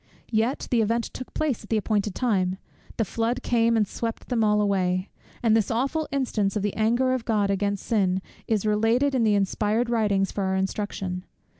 Yet the event took place at the appointed time; the flood came and swept them all away: and this awful instance of the anger of God against sin is related in the inspired writings for our instruction.